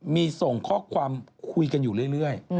มีส่งข้อความคุยกันอยู่เรื่อย